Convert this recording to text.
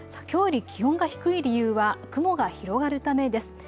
きょうより気温が低い理由は雲が広がるためです。